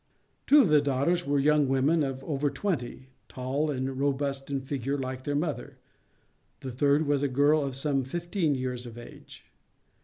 Two of the daughters were young women of over twenty, tall and robust in figure like their mother, the third was a girl of some fifteen years of age.